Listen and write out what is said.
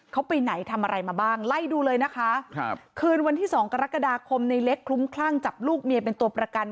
เขาไปไหนทำอะไรมาบ้างไล่ดูเลยนะคะครับคืนวันที่สองกรกฎาคมในเล็กคลุ้มคลั่งจับลูกเมียเป็นตัวประกัน